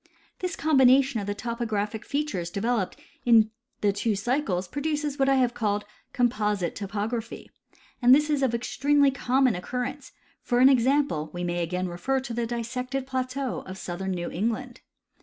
The combina tion of the topographic features developed in the two cycles produces what I have called " composite topography," and this is of extremely common occurrence — for an example, we may refer again to the dissected plateau of southern New England.